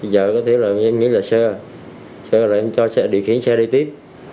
giờ có thể là em nghĩ là sơ sơ là em cho điều khiển xe đi tiếp